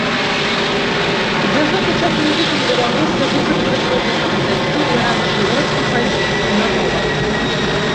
За гэты час музыкам давялося выпрацаваць новую канцэпцыю і аранжыраваць кампазіцыі нанова.